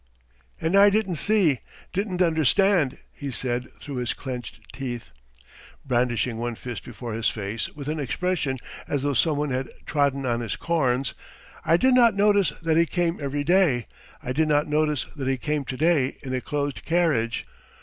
"And I didn't see, didn't understand," he said through his clenched teeth, brandishing one fist before his face with an expression as though some one had trodden on his corns. "I did not notice that he came every day! I did not notice that he came today in a closed carriage!